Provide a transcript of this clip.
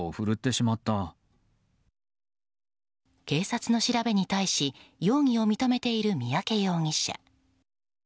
警察の調べに対し容疑を認めている三宅容疑者。